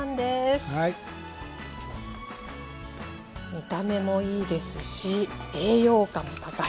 見た目もいいですし栄養価も高い。